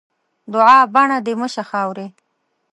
دوعا؛ بڼه دې مه شه خاوري.